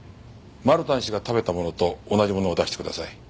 マルタン氏が食べたものと同じものを出してください。